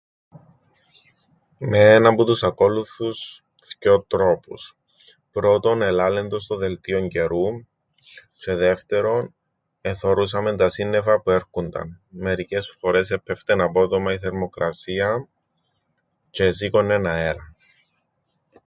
Με έναν που τους ακόλουθους θκυο τρόπους. Πρώτον ελάλεν το στο δελτίον καιρού. Τζ̆αι δεύτερον εθωρούσαμεν τα σύννεφα που έρκουνταν. Μερικές φορές έππεφτεν απότομα η θερμοκρασία τζ̆αι εσήκωννεν αέραν.